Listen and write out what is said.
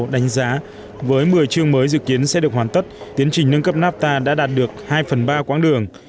đánh giá với một mươi chương mới dự kiến sẽ được hoàn tất tiến trình nâng cấp nafta đã đạt được hai phần ba quãng đường